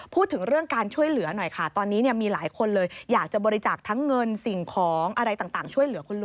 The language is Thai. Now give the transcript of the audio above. พูดถึงเรื่องการช่วยเหลือหน่อยค่ะตอนนี้มีหลายคนเลยอยากจะบริจาคทั้งเงินสิ่งของอะไรต่างช่วยเหลือคุณลุง